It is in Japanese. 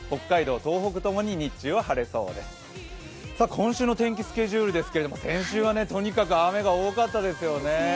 今週の天気スケジュールですが先週はとにかく雨が多かったですよね。